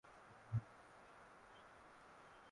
kufuatia mafuriko na kumbunga cha yasi jiji perf